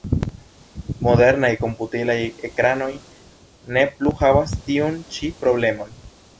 Modernaj komputilaj ekranoj ne plu havas tiun ĉi problemon.